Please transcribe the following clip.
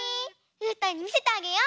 うーたんにみせてあげよう！